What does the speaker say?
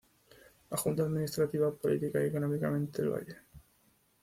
La Junta administraba política y económicamente el valle.